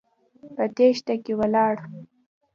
په تېښته کې ولاړ.